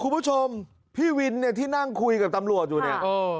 คุณผู้ชมพี่วินเนี่ยที่นั่งคุยกับตำรวจอยู่เนี่ย